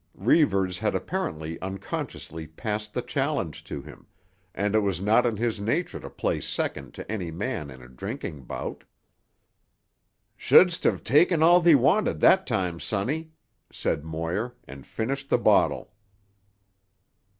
Reivers had apparently unconsciously passed the challenge to him, and it was not in his nature to play second to any man in a drinking bout. "Shouldst have taken all thee wanted that time, sonny," said Moir, and finished the bottle.